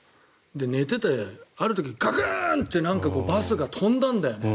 寝ていて、ある時ガクンッ！ってなんかバスが飛んだんだよね。